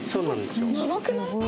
長くない？